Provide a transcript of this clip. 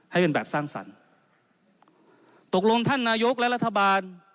ให้เป็นแบบสร้างสรรค์ตกลงท่านนายกและรัฐบาล